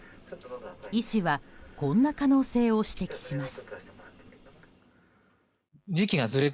医師はこんな可能性を指摘します。